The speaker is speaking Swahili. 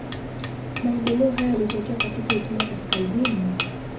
Maendeleo hayo yalitokea katika Italia kaskazini.